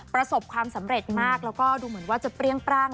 ประสบความสำเร็จมากแล้วก็ดูเหมือนว่าจะเปรี้ยงปร่าง